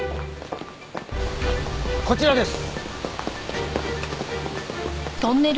こちらです。